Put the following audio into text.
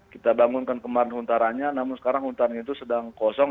kita bangunkan kemarin hontarannya namun sekarang hontarannya itu sedang kondisi